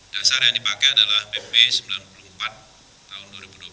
dasar yang dipakai adalah pp sembilan puluh empat tahun dua ribu dua puluh